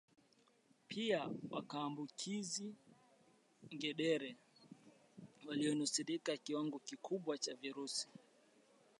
Pia wakawaambukiz ngedere walionusurika kiwango kikubwa cha virusi